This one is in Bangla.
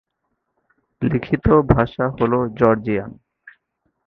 লিখিত ভাষা হল জর্জিয়ান।